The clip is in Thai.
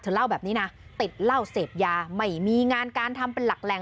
เล่าแบบนี้นะติดเหล้าเสพยาไม่มีงานการทำเป็นหลักแหล่ง